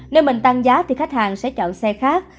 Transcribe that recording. nếu mình tăng giá thì khách hàng sẽ chọn xe khác